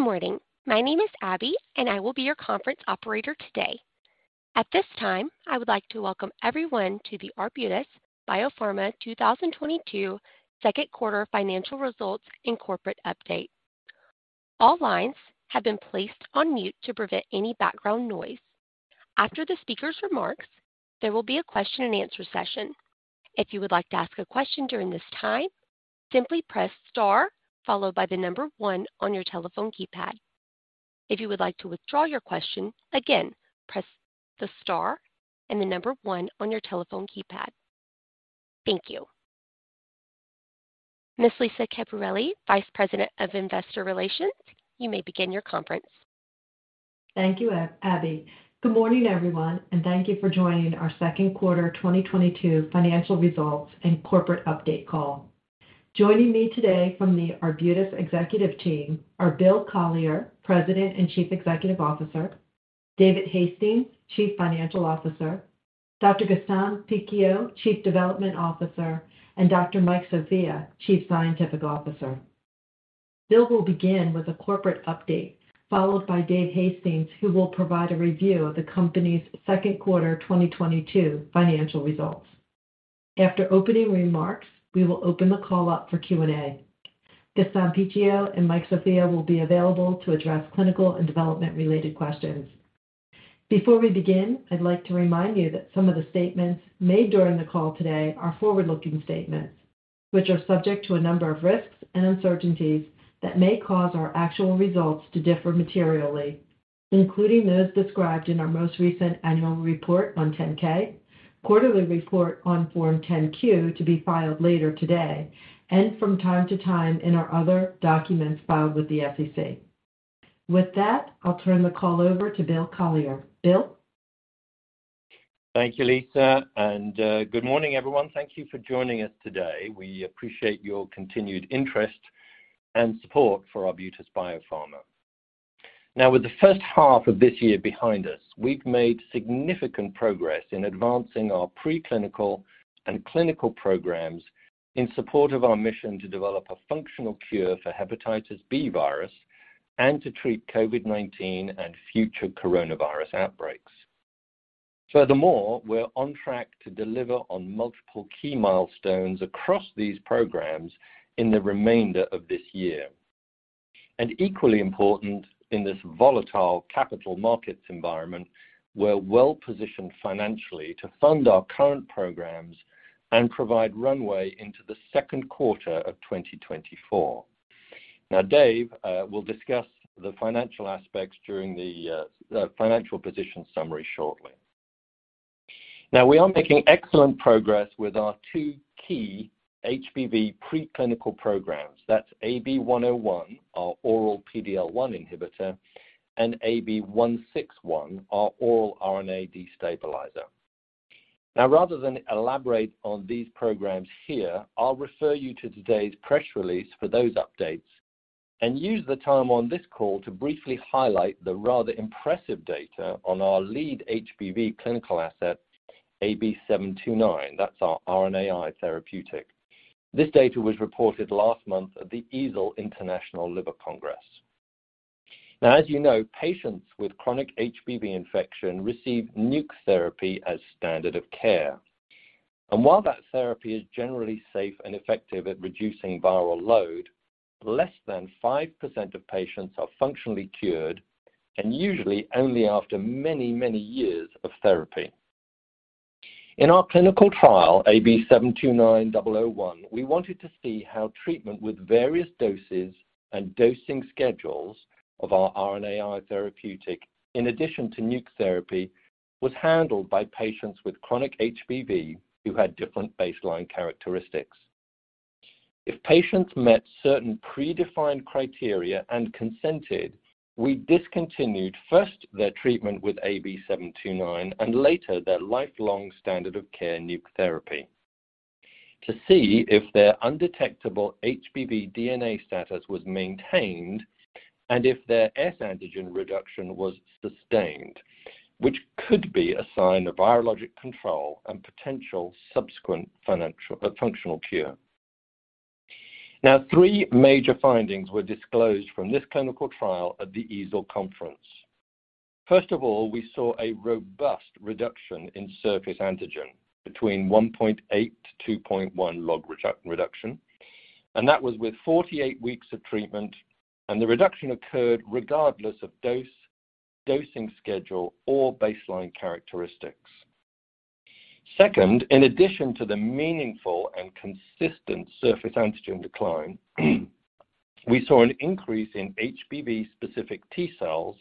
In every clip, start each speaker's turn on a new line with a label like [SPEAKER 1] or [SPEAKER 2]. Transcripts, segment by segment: [SPEAKER 1] Good morning. My name is Abby, and I will be your conference operator today. At this time, I would like to welcome everyone to the Arbutus Biopharma 2022 Second Quarter Financial Results and Corporate Update. All lines have been placed on mute to prevent any background noise. After the speaker's remarks, there will be a question and answer session. If you would like to ask a question during this time, simply press star followed by the number one on your telephone keypad. If you would like to withdraw your question, again, press the star and the number one on your telephone keypad. Thank you. Ms. Lisa Caperelli, Vice President of Investor Relations, you may begin your conference.
[SPEAKER 2] Thank you, Abby. Good morning, everyone, and thank you for joining our second quarter 2022 financial results and corporate update call. Joining me today from the Arbutus executive team are Bill Collier, President and Chief Executive Officer, David Hastings, Chief Financial Officer, Dr. Gaston Picchio, Chief Development Officer, and Dr. Mike Sofia, Chief Scientific Officer. Bill will begin with a corporate update, followed by Dave Hastings, who will provide a review of the company's second quarter 2022 financial results. After opening remarks, we will open the call up for Q&A. Gaston Picchio and Mike Sofia will be available to address clinical and development-related questions. Before we begin, I'd like to remind you that some of the statements made during the call today are forward-looking statements, which are subject to a number of risks and uncertainties that may cause our actual results to differ materially, including those described in our most recent annual report on Form 10-K, quarterly report on Form 10-Q to be filed later today, and from time to time in our other documents filed with the SEC. With that, I'll turn the call over to Bill Collier. Bill?
[SPEAKER 3] Thank you, Lisa, and good morning, everyone. Thank you for joining us today. We appreciate your continued interest and support for Arbutus Biopharma. Now, with the first half of this year behind us, we've made significant progress in advancing our preclinical and clinical programs in support of our mission to develop a functional cure hepatitis B virus and to treat COVID-19 and future coronavirus outbreaks. Furthermore, we're on track to deliver on multiple key milestones across these programs in the remainder of this year. Equally important in this volatile capital markets environment, we're well-positioned financially to fund our current programs and provide runway into the second quarter of 2024. Now, Dave will discuss the financial aspects during the financial position summary shortly. Now, we are making excellent progress with our two key HBV preclinical programs. That's AB-101, our oral PD-L1 inhibitor, and AB-161, our oral RNA destabilizer. Now, rather than elaborate on these programs here, I'll refer you to today's press release for those updates and use the time on this call to briefly highlight the rather impressive data on our lead HBV clinical asset, AB-729. That's our RNAi therapeutic. This data was reported last month at the EASL International Liver Congress. Now, as you know, patients with chronic HBV infection receive NUC therapy as standard of care. While that therapy is generally safe and effective at reducing viral load, less than 5% of patients are functionally cured, and usually only after many, many years of therapy. In our clinical trial, AB-729-001, we wanted to see how treatment with various doses and dosing schedules of our RNAi therapeutic, in addition to NUC therapy, was handled by patients with chronic HBV who had different baseline characteristics. If patients met certain predefined criteria and consented, we discontinued first their treatment with AB-729 and later their lifelong standard of care NUC therapy to see if their undetectable HBV DNA status was maintained and if their S antigen reduction was sustained, which could be a sign of virologic control and potential subsequent functional cure. Now, three major findings were disclosed from this clinical trial at the EASL Conference. First of all, we saw a robust reduction in surface antigen between 1.8-2.1 log reduction, and that was with 48 weeks of treatment, and the reduction occurred regardless of dose, dosing schedule, or baseline characteristics. Second, in addition to the meaningful and consistent surface antigen decline, we saw an increase in HBV-specific T-cells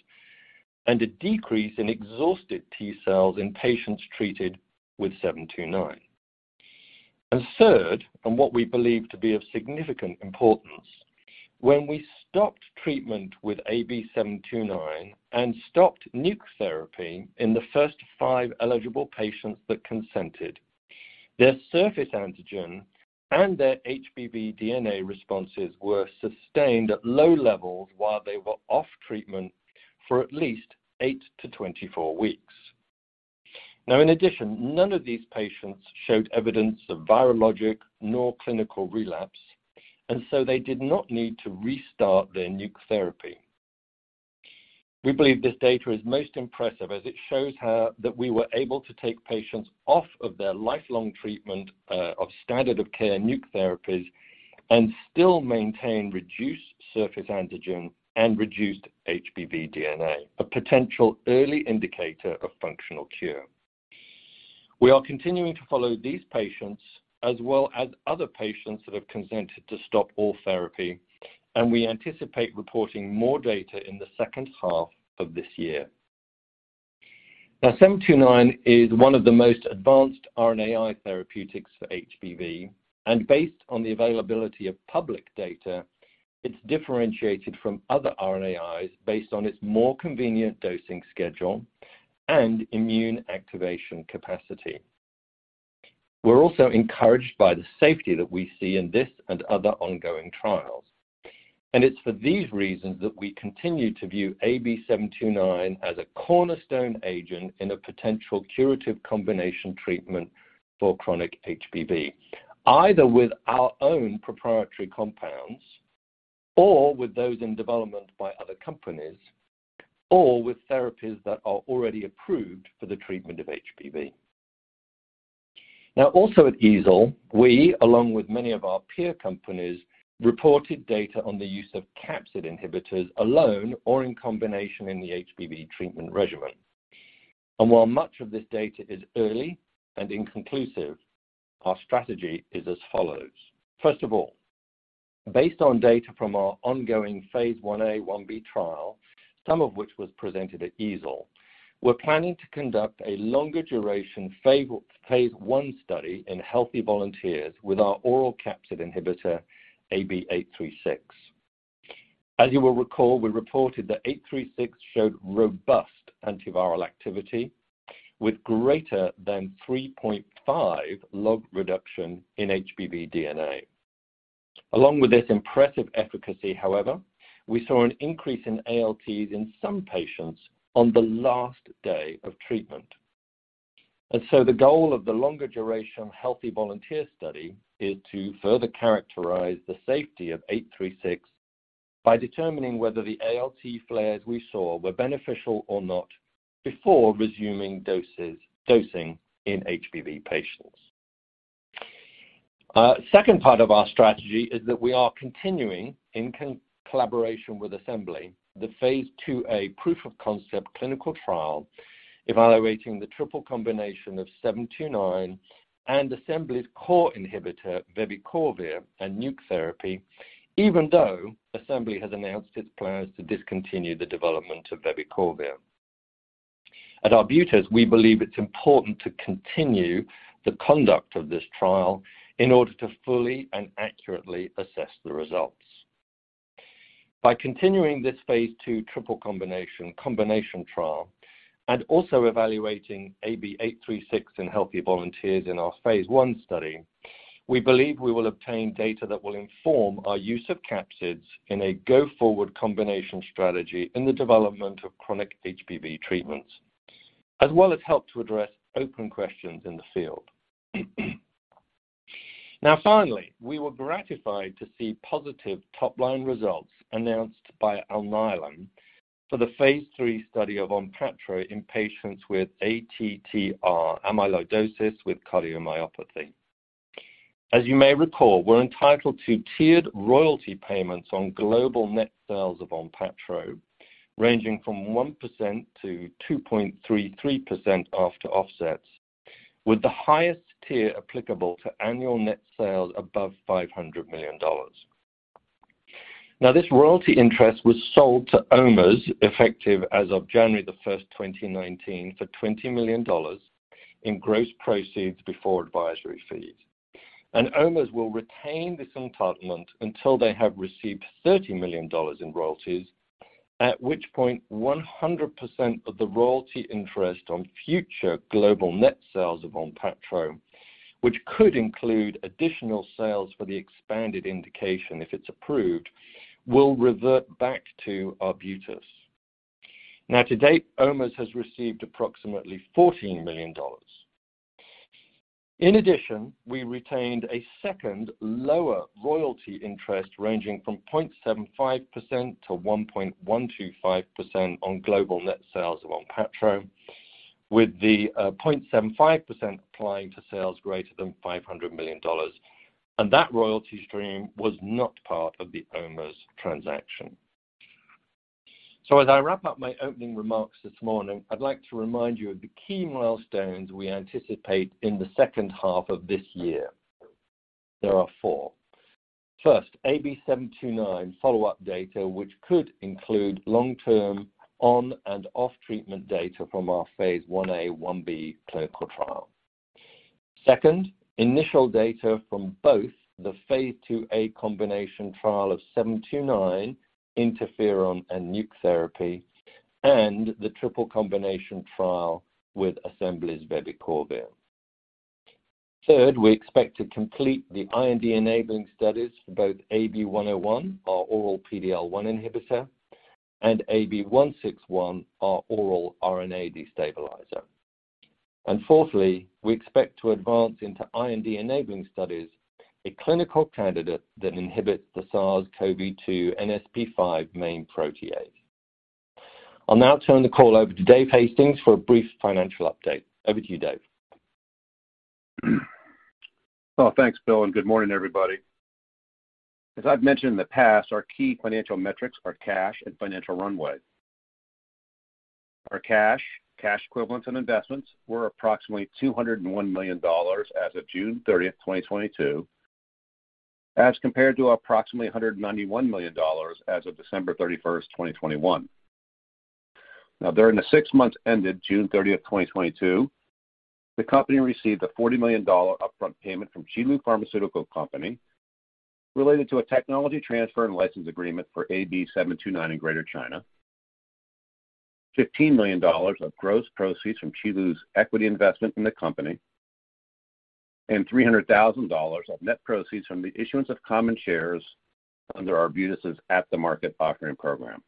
[SPEAKER 3] and a decrease in exhausted T-cells in patients treated with 729. Third, and what we believe to be of significant importance, when we stopped treatment with AB-729 and stopped NUC therapy in the first five eligible patients that consented, their surface antigen and their HBV DNA responses were sustained at low levels while they were off treatment for at least eight to 24 weeks. Now in addition, none of these patients showed evidence of virologic nor clinical relapse, and so they did not need to restart their NUC therapy. We believe this data is most impressive as it shows how that we were able to take patients off of their lifelong treatment, of standard of care NUC therapies and still maintain reduced surface antigen and reduced HBV DNA, a potential early indicator of functional cure. We are continuing to follow these patients as well as other patients that have consented to stop all therapy, and we anticipate reporting more data in the second half of this year. Now AB-729 is one of the most advanced RNAi therapeutics for HBV, and based on the availability of public data, it's differentiated from other RNAis based on its more convenient dosing schedule and immune activation capacity. We're also encouraged by the safety that we see in this and other ongoing trials. It's for these reasons that we continue to view AB-729 as a cornerstone agent in a potential curative combination treatment for chronic HBV, either with our own proprietary compounds or with those in development by other companies, or with therapies that are already approved for the treatment of HBV. Now, also at EASL, we along with many of our peer companies reported data on the use of capsid inhibitors alone or in combination in the HBV treatment regimen. While much of this data is early and inconclusive, our strategy is as follows. First of all, based on data from our ongoing phase I-A/1b trial, some of which was presented at EASL, we're planning to conduct a longer duration phase 1 study in healthy volunteers with our oral capsid inhibitor, AB-836. As you will recall, we reported that 836 showed robust antiviral activity with greater than 3.5 log reduction in HBV DNA. Along with this impressive efficacy, however, we saw an increase in ALTs in some patients on the last day of treatment. The goal of the longer duration healthy volunteer study is to further characterize the safety of 836 by determining whether the ALT flares we saw were beneficial or not before resuming dosing in HBV patients. Second part of our strategy is that we are continuing in collaboration with Assembly, the phase 2a proof of concept clinical trial, evaluating the triple combination of 729 and Assembly's core inhibitor, vebicorvir and NUC therapy, even though Assembly has announced its plans to discontinue the development of vebicorvir. At Arbutus, we believe it's important to continue the conduct of this trial in order to fully and accurately assess the results. By continuing this phase 2 triple combination trial and also evaluating AB836 in healthy volunteers in our phase 1 study, we believe we will obtain data that will inform our use of capsids in a go forward combination strategy in the development of chronic HBV treatments, as well as help to address open questions in the field. Now, finally, we were gratified to see positive top-line results announced by Alnylam for the phase 3 study of Onpattro in patients with ATTR amyloidosis with cardiomyopathy. As you may recall, we're entitled to tiered royalty payments on global net sales of Onpattro, ranging from 1% to 2.33% after offsets, with the highest tier applicable to annual net sales above $500 million. This royalty interest was sold to OMERS, effective as of January 1, 2019 for $20 million in gross proceeds before advisory fees. OMERS will retain this entitlement until they have received $30 million in royalties, at which point 100% of the royalty interest on future global net sales of Onpattro, which could include additional sales for the expanded indication if it's approved, will revert back to Arbutus. Now to date, OMERS has received approximately $14 million. In addition, we retained a second lower royalty interest ranging from 0.75% to 1.125% on global net sales of Onpattro, with the 0.75% applying to sales greater than $500 million, and that royalty stream was not part of the OMERS transaction. As I wrap up my opening remarks this morning, I'd like to remind you of the key milestones we anticipate in the second half of this year. There are four. First, AB729 follow-up data, which could include long-term on and off treatment data from our phase 1a/1b clinical trial. Second, initial data from both the phase 2a combination trial of 729 interferon and NUC therapy and the triple combination trial with Assembly's vebicorvir. Third, we expect to complete the IND-enabling studies for both AB101, our oral PD-L1 inhibitor, and AB161, our oral RNA destabilizer. Fourthly, we expect to advance into IND-enabling studies a clinical candidate that inhibits the SARS-CoV-2 NSP5 main protease. I'll now turn the call over to Dave Hastings for a brief financial update. Over to you, Dave.
[SPEAKER 4] Well, thanks, Bill, and good morning, everybody. As I've mentioned in the past, our key financial metrics are cash and financial runway. Our cash equivalents, and investments were approximately $201 million as of June 30, 2022, as compared to approximately $191 million as of December 31, 2021. During the six months ended June 30, 2022, the company received a $40 million upfront payment from Qilu Pharmaceutical Co., Ltd. related to a technology transfer and license agreement for AB-729 in Greater China, $15 million of gross proceeds from Qilu's equity investment in the company, and $300,000 of net proceeds from the issuance of common shares under Arbutus' at-the-market offering program.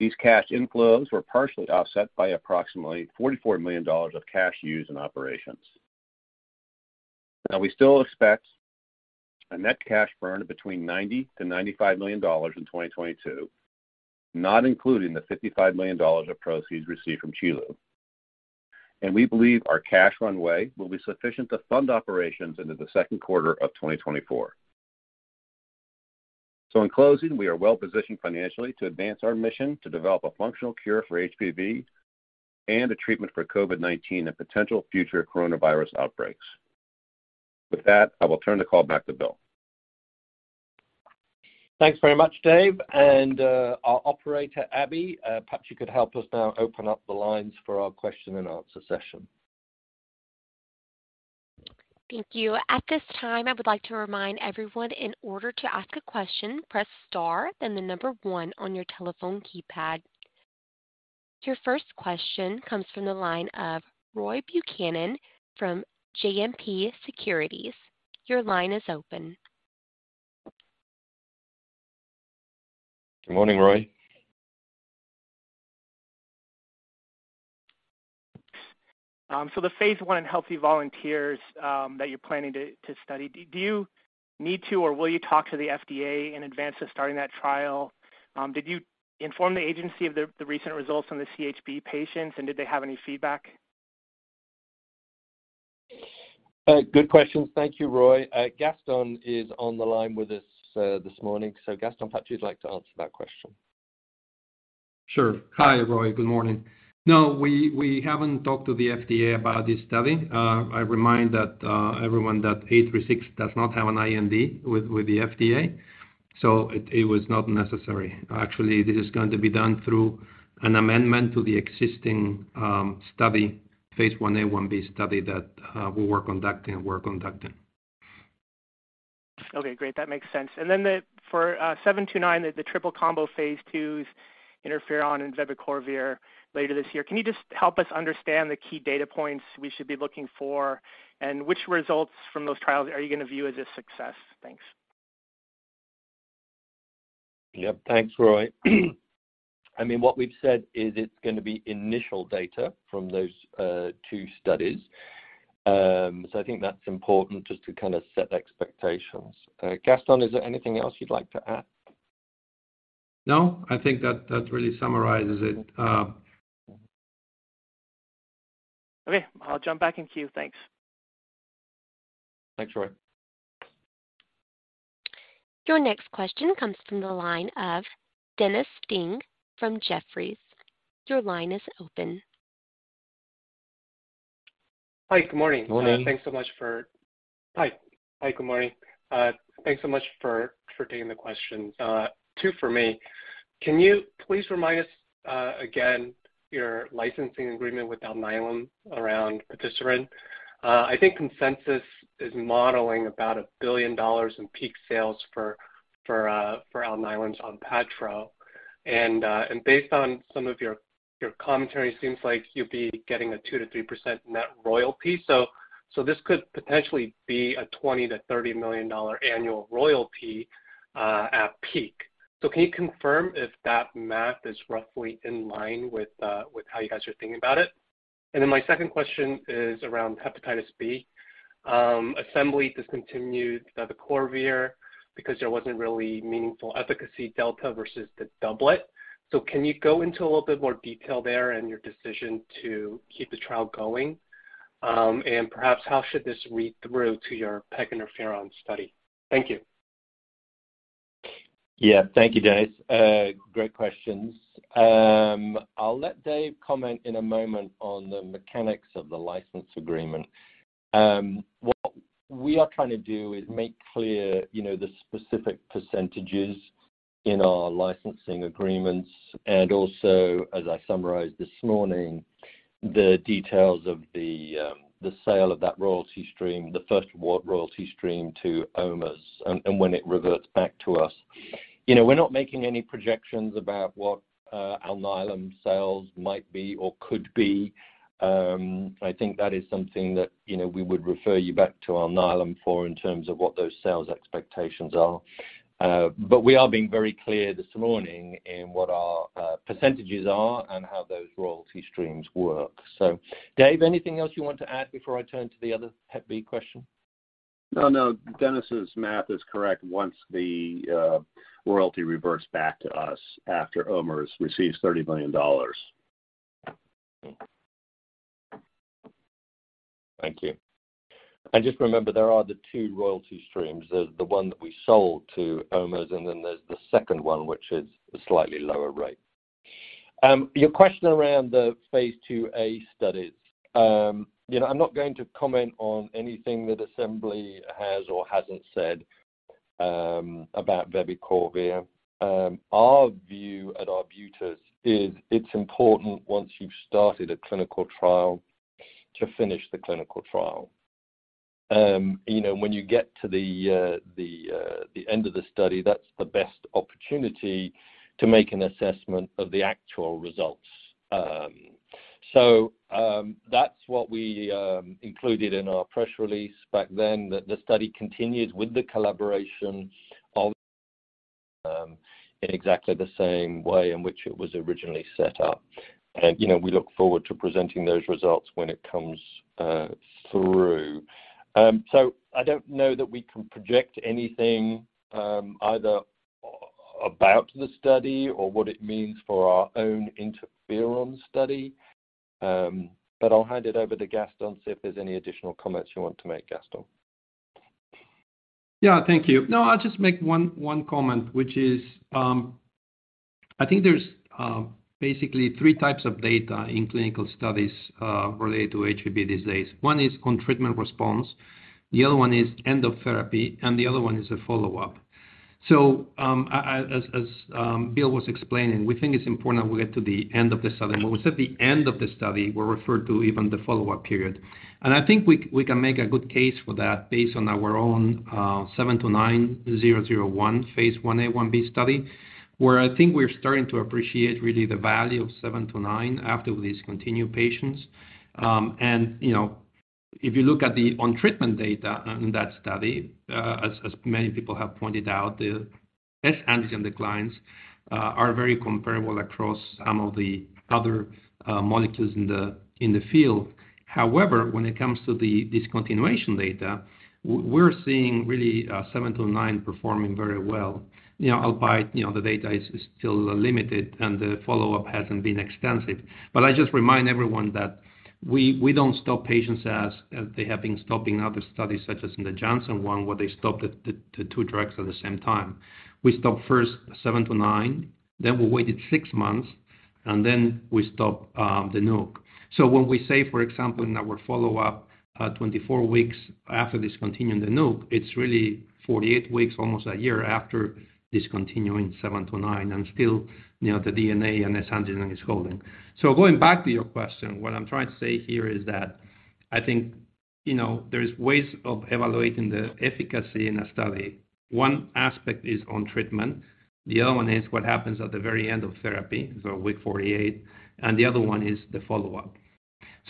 [SPEAKER 4] These cash inflows were partially offset by approximately $44 million of cash used in operations. We still expect a net cash burn of between $90-$95 million in 2022, not including the $55 million of proceeds received from Qilu. We believe our cash runway will be sufficient to fund operations into the second quarter of 2024. In closing, we are well positioned financially to advance our mission to develop a functional cure for HBV and a treatment for COVID-19 and potential future coronavirus outbreaks. With that, I will turn the call back to Bill.
[SPEAKER 3] Thanks very much, Dave. Our operator, Abby, perhaps you could help us now open up the lines for our question and answer session.
[SPEAKER 1] Thank you. At this time, I would like to remind everyone in order to ask a question, press star then the number one on your telephone keypad. Your first question comes from the line of Roy Buchanan from JMP Securities. Your line is open.
[SPEAKER 3] Good morning, Roy.
[SPEAKER 5] The phase 1 in healthy volunteers that you're planning to study, do you need to or will you talk to the FDA in advance of starting that trial? Did you inform the agency of the recent results from the CHB patients and did they have any feedback?
[SPEAKER 3] Good questions. Thank you, Roy. Gaston is on the line with us this morning. Gaston, perhaps you'd like to answer that question.
[SPEAKER 6] Sure. Hi, Roy. Good morning. No, we haven't talked to the FDA about this study. I remind that everyone that AB-836 does not have an IND with the FDA, so it was not necessary. Actually, this is going to be done through an amendment to the existing study phase 1a/1b study that we were conducting and we're conducting.
[SPEAKER 5] Okay, great. That makes sense. For AB-729, the triple combo phase 2s interferon and vebicorvir later this year. Can you just help us understand the key data points we should be looking for and which results from those trials are you gonna view as a success? Thanks.
[SPEAKER 3] Yep. Thanks, Roy. I mean, what we've said is it's gonna be initial data from those two studies. I think that's important just to kinda set expectations. Gaston, is there anything else you'd like to add?
[SPEAKER 6] No, I think that really summarizes it.
[SPEAKER 5] Okay, I'll jump back in queue. Thanks.
[SPEAKER 3] Thanks, Roy.
[SPEAKER 1] Your next question comes from the line of Dennis Ding from Jefferies. Your line is open.
[SPEAKER 7] Hi. Good morning.
[SPEAKER 3] Morning.
[SPEAKER 7] Thanks so much for taking the questions. Two for me. Can you please remind us again your licensing agreement with Alnylam around patisiran? I think consensus is modeling about $1 billion in peak sales for Alnylam's Onpattro. Based on some of your commentary, seems like you'd be getting a 2%-3% net royalty. This could potentially be a $20 million-$30 million annual royalty at peak. Can you confirm if that math is roughly in line with how you guys are thinking about it? Then my second question is hepatitis B. assembly discontinued vebicorvir because there wasn't really meaningful efficacy delta versus the doublet. Can you go into a little bit more detail there and your decision to keep the trial going? Perhaps how should this read through to your peg interferon study? Thank you.
[SPEAKER 3] Yeah. Thank you, Dennis. Great questions. I'll let David comment in a moment on the mechanics of the license agreement. What we are trying to do is make clear, you know, the specific percentages in our licensing agreements. Also, as I summarized this morning, the details of the sale of that royalty stream, the first royalty stream to OMERS and when it reverts back to us. You know, we're not making any projections about what Alnylam sales might be or could be. I think that is something that, you know, we would refer you back to Alnylam for in terms of what those sales expectations are. But we are being very clear this morning in what our percentages are and how those royalty streams work. Dave, anything else you want to add before I turn to the other hep B question?
[SPEAKER 4] No, no, Dennis's math is correct once the royalty reverts back to us after OMERS receives $30 million.
[SPEAKER 3] Thank you. Just remember, there are the two royalty streams. There's the one that we sold to OMERS, and then there's the second one, which is a slightly lower rate. Your question around the phase 2a studies. You know, I'm not going to comment on anything that Assembly has or hasn't said about vebicorvir. Our view at Arbutus is it's important once you've started a clinical trial to finish the clinical trial. You know, when you get to the end of the study, that's the best opportunity to make an assessment of the actual results. That's what we included in our press release back then, that the study continued with the collaboration in exactly the same way in which it was originally set up. You know, we look forward to presenting those results when it comes through. I don't know that we can project anything either about the study or what it means for our own interferon study. I'll hand it over to Gaston, see if there's any additional comments you want to make, Gaston.
[SPEAKER 6] Yeah. Thank you. No, I'll just make one comment, which is, I think there's basically three types of data in clinical studies related to HBV these days. One is on treatment response, the other one is end of therapy, and the other one is a follow-up. So, as Bill was explaining, we think it's important that we get to the end of the study. When we said the end of the study, we're referring to even the follow-up period. I think we can make a good case for that based on our own AB-729-001 phase 1a/1b study, where I think we're starting to appreciate really the value of AB-729 after we discontinue patients. You know, if you look at the on treatment data in that study, as many people have pointed out, the HBsAg declines are very comparable across some of the other molecules in the field. However, when it comes to the discontinuation data, we're seeing really 729 performing very well. You know, albeit, you know, the data is still limited, and the follow-up hasn't been extensive. I just remind everyone that we don't stop patients as they have been stopping other studies, such as in the Janssen one, where they stopped the two drugs at the same time. We stopped first 729, then we waited 6 months, and then we stopped the NUC. When we say, for example, in our follow-up at 24 weeks after discontinuing the NUC, it's really 48 weeks, almost a year after discontinuing 729, and still, you know, the HBV DNA and HBsAg is holding. Going back to your question, what I'm trying to say here is that I think, you know, there's ways of evaluating the efficacy in a study. One aspect is on treatment, the other one is what happens at the very end of therapy, so week 48, and the other one is the follow-up.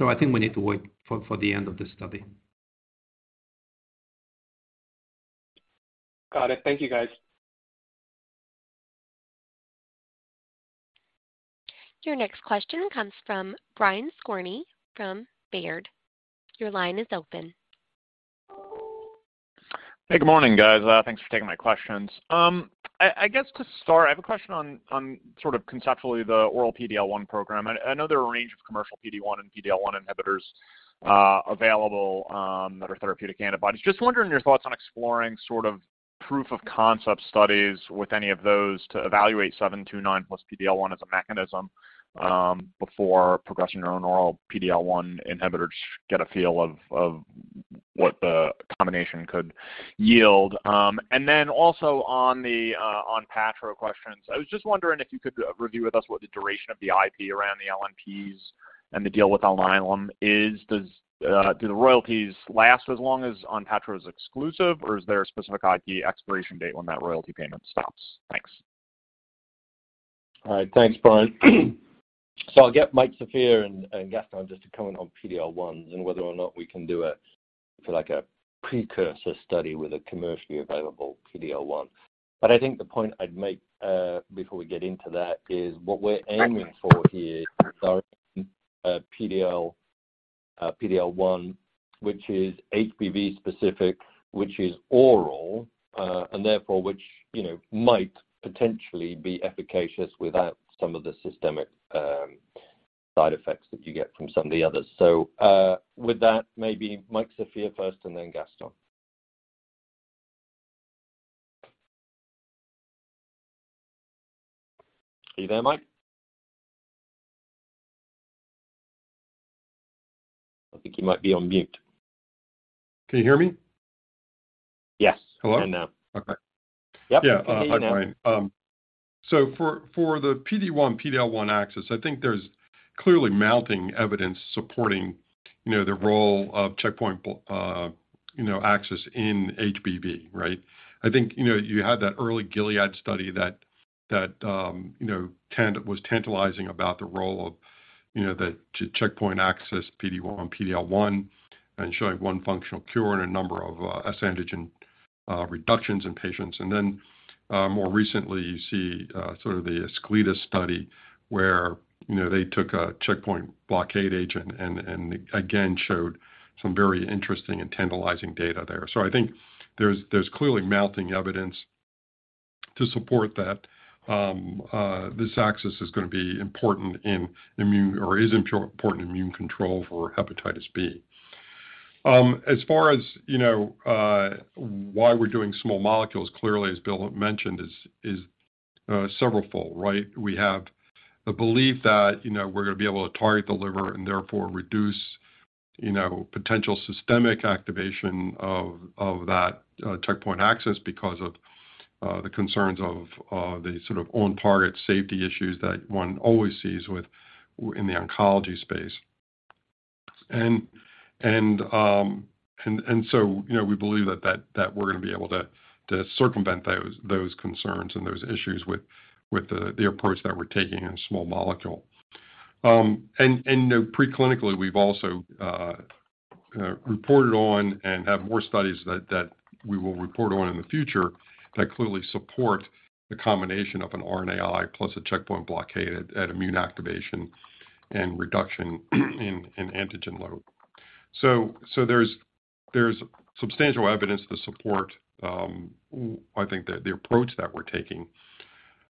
[SPEAKER 6] I think we need to wait for the end of the study.
[SPEAKER 7] Got it. Thank you, guys.
[SPEAKER 1] Your next question comes from Brian Skorney from Baird. Your line is open.
[SPEAKER 8] Hey, good morning, guys. Thanks for taking my questions. I guess to start, I have a question on sort of conceptually the oral PD-L1 program. I know there are a range of commercial PD-1 and PD-L1 inhibitors available that are therapeutic antibodies. Just wondering your thoughts on exploring sort of proof of concept studies with any of those to evaluate AB-729 plus PD-L1 as a mechanism before progressing to our novel PD-L1 inhibitors to get a feel of what the combination could yield. Then also on the Onpattro questions, I was just wondering if you could review with us what the duration of the IP around the LNPs and the deal with Alnylam is. Do the royalties last as long as Onpattro is exclusive, or is there a specific IP expiration date when that royalty payment stops? Thanks.
[SPEAKER 3] All right. Thanks, Brian. I'll get Mike Sofia and Gaston just to comment on PD-L1s and whether or not we can do like a precursor study with a commercially available PD-L1. I think the point I'd make before we get into that is what we're aiming for here is our PD-L1, which is HBV specific, which is oral and therefore which, you know, might potentially be efficacious without some of the systemic side effects that you get from some of the others. With that, maybe Mike Sofia first and then Gaston. Are you there, Mike? I think you might be on mute.
[SPEAKER 9] Can you hear me?
[SPEAKER 3] Yes.
[SPEAKER 9] Hello?
[SPEAKER 3] I can now.
[SPEAKER 9] Okay.
[SPEAKER 3] Yep.
[SPEAKER 9] Yeah.
[SPEAKER 3] I can hear you now.
[SPEAKER 9] Hi, Brian. For the PD-1, PD-L1 axis, I think there's clearly mounting evidence supporting, you know, the role of checkpoint axis in HBV, right? I think, you know, you had that early Gilead study that was tantalizing about the role of, you know, the checkpoint axis PD-1, PD-L1 and showing one functional cure and a number of HBsAg reductions in patients. More recently, you see sort of the Acleata study where, you know, they took a checkpoint blockade agent and again, showed some very interesting and tantalizing data there. I think there's clearly mounting evidence to support that this axis is gonna be important in immune control for hepatitis B. As far as, you know, why we're doing small molecules, clearly, as Bill mentioned, is severalfold, right? We have the belief that, you know, we're gonna be able to target the liver and therefore reduce, you know, potential systemic activation of that checkpoint axis because of the concerns of the sort of on-target safety issues that one always sees in the oncology space. We believe that we're gonna be able to circumvent those concerns and those issues with the approach that we're taking in small molecule. Preclinically, we've also reported on and have more studies that we will report on in the future that clearly support the combination of an RNAi plus a checkpoint blockade at immune activation and reduction in antigen load. There's substantial evidence to support, I think the approach that we're taking.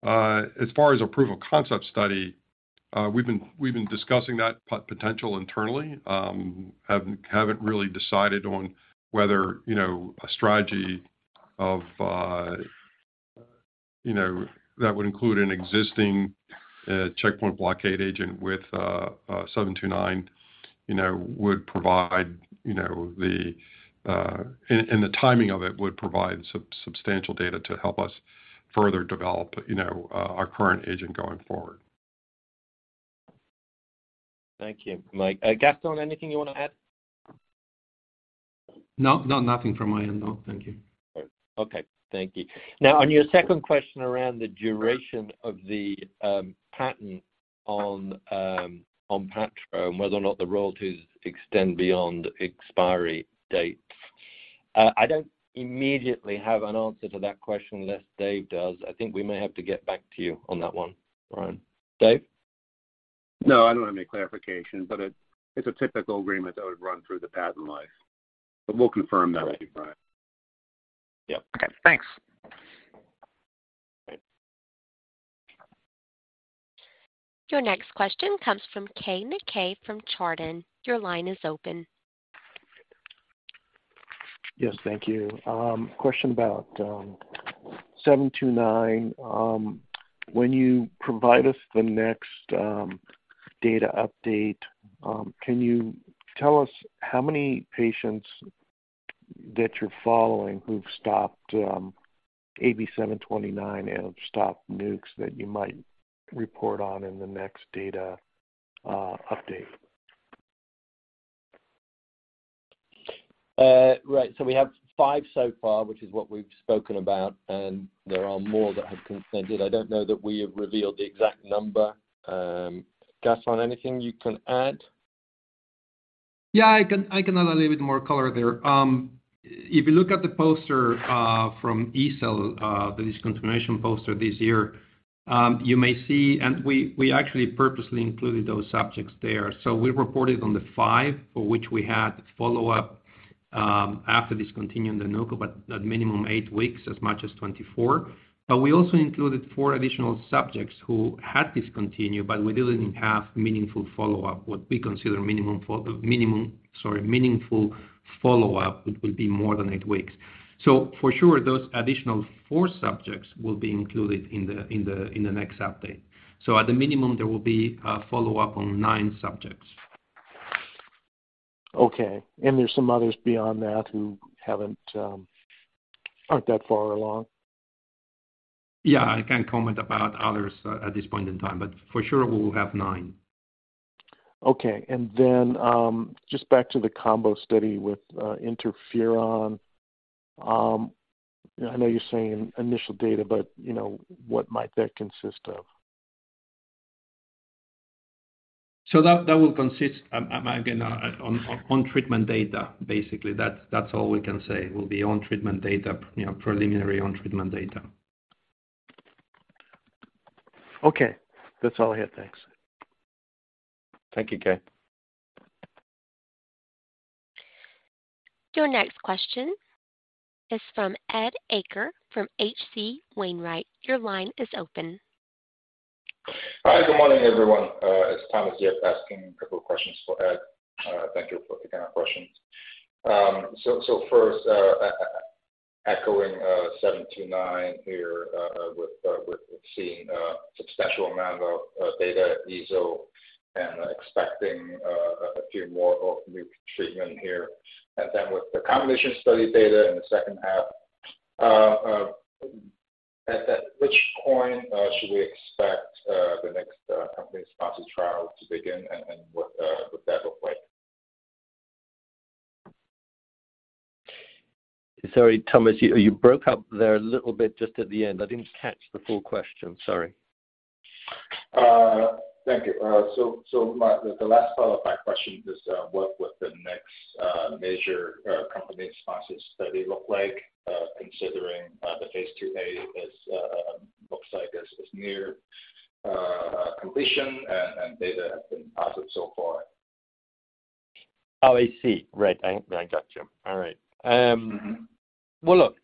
[SPEAKER 9] As far as a proof-of-concept study, we've been discussing that potential internally. Haven't really decided on whether, you know, a strategy of, you know, that would include an existing checkpoint blockade agent with 729, you know, would provide, you know, the. The timing of it would provide substantial data to help us further develop, you know, our current agent going forward.
[SPEAKER 3] Thank you, Mike. Gaston, anything you wanna add?
[SPEAKER 6] No, no, nothing from my end. No. Thank you.
[SPEAKER 3] Okay. Thank you. Now, on your second question around the duration of the patent on patisiran, and whether or not the royalties extend beyond expiry date, I don't immediately have an answer to that question unless Dave does. I think we may have to get back to you on that one, Brian. Dave?
[SPEAKER 4] No, I don't have any clarification, but it's a typical agreement that would run through the patent life. We'll confirm that with you, Brian.
[SPEAKER 3] Right.
[SPEAKER 9] Yep.
[SPEAKER 3] Okay, thanks.
[SPEAKER 9] Great.
[SPEAKER 1] Your next question comes from Keay Nakae from Chardan. Your line is open.
[SPEAKER 10] Yes, thank you. Question about 729. When you provide us the next data update, can you tell us how many patients that you're following who've stopped AB-729 and have stopped NUCs that you might report on in the next data update?
[SPEAKER 3] Right. We have five so far, which is what we've spoken about, and there are more that have consented. I don't know that we have revealed the exact number. Gaston, anything you can add?
[SPEAKER 6] Yeah, I can add a little bit more color there. If you look at the poster from EASL, the discontinuation poster this year, you may see. We actually purposely included those subjects there. We reported on the 5 for which we had follow-up after discontinuing the NUC, but at minimum 8 weeks as much as 24. We also included 4 additional subjects who had discontinued, but we didn't have meaningful follow-up, what we consider minimum. Sorry, meaningful follow-up, which will be more than 8 weeks. For sure, those additional 4 subjects will be included in the next update. At the minimum, there will be a follow-up on 9 subjects.
[SPEAKER 10] Okay. There's some others beyond that who haven't, aren't that far along?
[SPEAKER 6] Yeah. I can't comment about others at this point in time, but for sure we will have nine.
[SPEAKER 10] Okay. Just back to the combo study with interferon. I know you're saying initial data, but, you know, what might that consist of?
[SPEAKER 6] That will consist again on treatment data, basically. That's all we can say. Will be on treatment data, you know, preliminary on treatment data.
[SPEAKER 10] Okay. That's all I had. Thanks.
[SPEAKER 6] Thank you, Keay.
[SPEAKER 1] Your next question is from Ed Arce from H.C. Wainwright. Your line is open.
[SPEAKER 11] Hi. Good morning, everyone. It's Thomas here asking a couple of questions for Ed. Thank you for taking our questions. First, AB-729 here with we're seeing a substantial amount of data at EASL and expecting a few more new treatments here. Then with the combination study data in the second half at that point, should we expect the next company-sponsored trial to begin, and what would that look like?
[SPEAKER 3] Sorry, Thomas, you broke up there a little bit just at the end. I didn't catch the full question, sorry.
[SPEAKER 11] Thank you. The last part of my question is, what would the next major company-sponsored study look like, considering the phase 2a looks like is near completion and data has been positive so far?
[SPEAKER 3] Oh, I see. Right. I got you. All right.
[SPEAKER 11] Mm-hmm.
[SPEAKER 3] Well, look,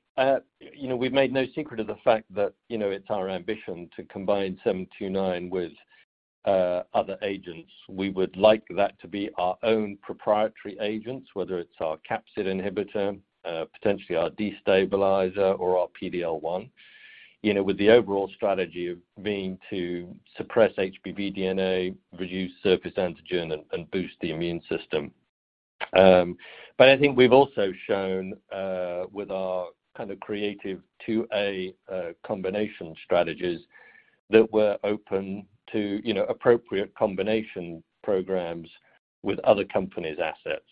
[SPEAKER 3] you know, we've made no secret of the fact that, you know, it's our ambition to combine 729 with other agents. We would like that to be our own proprietary agents, whether it's our capsid inhibitor, potentially our destabilizer or our PD-L1. You know, with the overall strategy of being to suppress HBV DNA, reduce surface antigen, and boost the immune system. I think we've also shown with our kind of creative 2A combination strategies that we're open to, you know, appropriate combination programs with other companies' assets,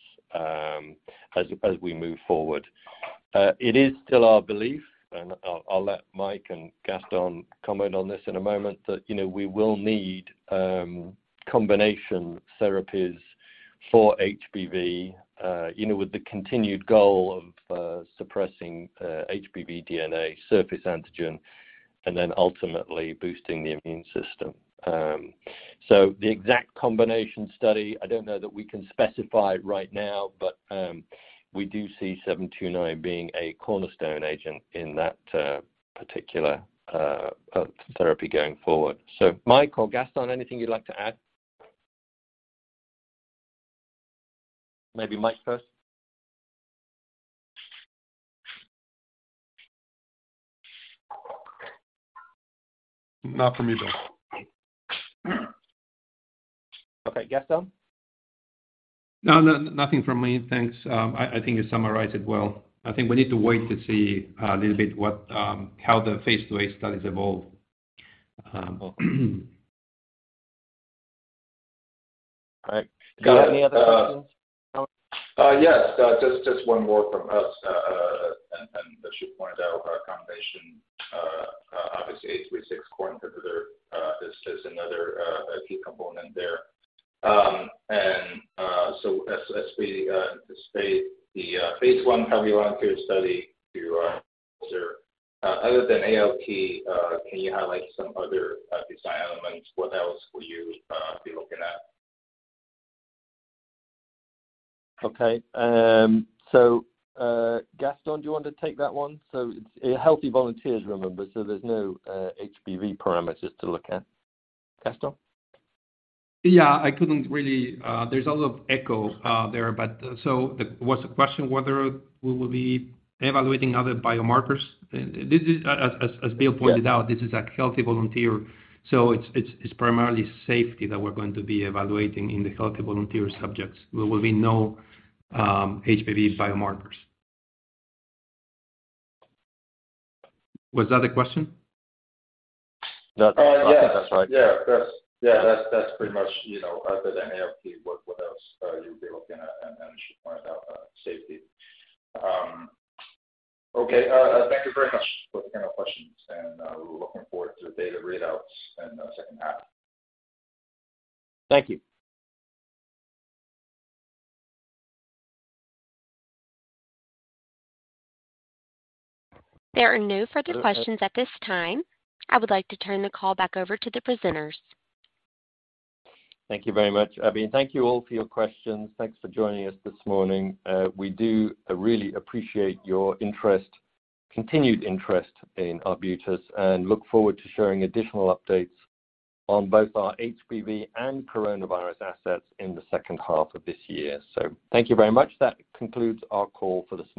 [SPEAKER 3] as we move forward. It is still our belief, and I'll let Mike and Gaston comment on this in a moment, that, you know, we will need combination therapies for HBV, you know, with the continued goal of suppressing HBV DNA surface antigen and then ultimately boosting the immune system. So the exact combination study, I don't know that we can specify right now, but we do see 729 being a cornerstone agent in that particular therapy going forward. So Mike or Gaston, anything you'd like to add? Maybe Mike first.
[SPEAKER 9] Not for me, Bill.
[SPEAKER 3] Okay. Gaston?
[SPEAKER 6] No, nothing from me. Thanks. I think you summarized it well. I think we need to wait to see a little bit what how the phase 2A studies evolve.
[SPEAKER 3] All right. Do you have any other questions, Thomas Yip?
[SPEAKER 11] Yes, just one more from us. As you pointed out, combination obviously AB-836 core inhibitor is another key component there. As we start the phase 1 healthy volunteer study to observe other than ALT, can you highlight some other design elements? What else will you be looking at?
[SPEAKER 3] Okay. Gaston, do you want to take that one? It's a healthy volunteers, remember, so there's no HBV parameters to look at. Gaston?
[SPEAKER 6] Yeah, I couldn't really. There's a lot of echo there, but what's the question? Whether we will be evaluating other biomarkers. This is as Bill pointed out.
[SPEAKER 3] Yeah.
[SPEAKER 6] This is a healthy volunteer, so it's primarily safety that we're going to be evaluating in the healthy volunteer subjects. There will be no HBV biomarkers. Was that the question?
[SPEAKER 3] That, I think that's right.
[SPEAKER 11] Yeah, that's pretty much, you know, other than ALT, what else you'll be looking at and as you pointed out, safety. Okay. Thank you very much for the kind of questions, and we're looking forward to the data readouts in the second half.
[SPEAKER 3] Thank you.
[SPEAKER 1] There are no further questions at this time. I would like to turn the call back over to the presenters.
[SPEAKER 3] Thank you very much, Abby, and thank you all for your questions. Thanks for joining us this morning. We do really appreciate your interest, continued interest in Arbutus and look forward to sharing additional updates on both our HBV and coronavirus assets in the second half of this year. Thank you very much. That concludes our call for this morning.